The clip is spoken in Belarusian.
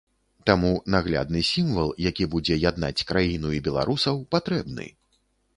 Таму наглядны сімвал, які будзе яднаць краіну і беларусаў патрэбны.